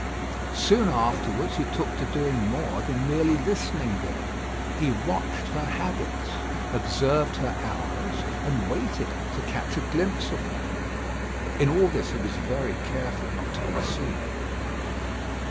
Soon afterwards he look to doing more than merely listening there. He watched her habits, observed her hours, and waited to catch a glimpse of her. In all this he was very careful not to be seen.